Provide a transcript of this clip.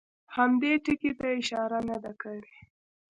هم دې ټکي ته اشاره نه ده کړې.